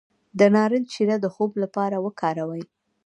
د نارنج شیره د خوب لپاره وکاروئ